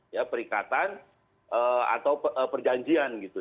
ya perikatan atau perjanjian gitu